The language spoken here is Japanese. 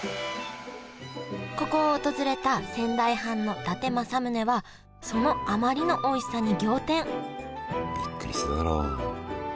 ここを訪れた仙台藩の伊達政宗はそのあまりのおいしさに仰天びっくりしただろう。